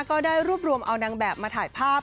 ก็ได้รวบรวมเอานางแบบมาถ่ายภาพ